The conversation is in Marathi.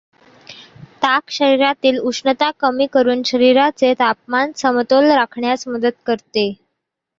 ताक शरीरातील उष्णता कमी करून शरीराचे तापमान समतोल राखण्यास मदत करते.